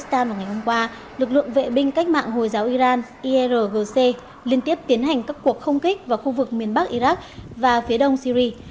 vào ngày hôm qua lực lượng vệ binh cách mạng hồi giáo iran irgc liên tiếp tiến hành các cuộc không kích vào khu vực miền bắc iraq và phía đông syri